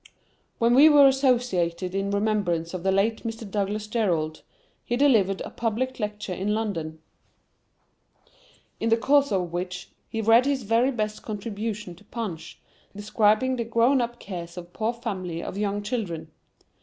When we were associated in remembrance of the late Mr. Douglas Jerrold, he delivered a public lecture in London, in the course of which, he read his very best contribution to Punch, describing the grown up cares of a poor family of young children.